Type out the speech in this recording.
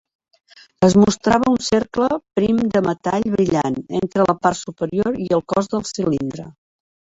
Es mostrava un cercle prim de metall brillant entre la part superior i el cos del cilindre.